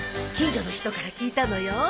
近所の人から聞いたのよ。